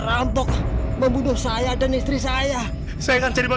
sampai jumpa di video selanjutnya